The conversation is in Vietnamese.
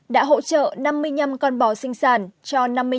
đã hỗ trợ năm mươi năm con bò sinh sản cho năm mươi năm con bò